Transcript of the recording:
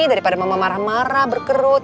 daripada mama marah marah berkerut